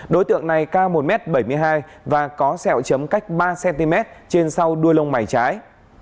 đối tượng này cao một m bảy mươi hai và có sẹo chấm cách ba cm trên sau đuôi lông mày trái